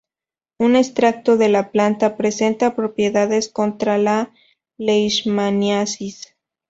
Un extracto de la planta presenta propiedades contra la Leishmaniasis.